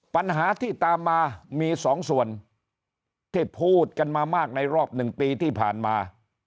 ปัญหาที่ตามมามีสองส่วนที่พูดกันมามากในรอบ๑ปีที่ผ่านมา